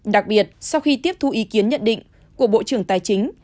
đặc biệt sau khi tiếp thu ý kiến nhận định của bộ trưởng tài chính